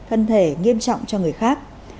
thân thể nghiêm trọng cho người khác